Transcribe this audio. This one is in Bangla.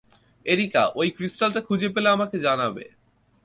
এরিকা, ঐ ক্রিস্টালটা খুঁজে পেলে আমাকে জানাবে।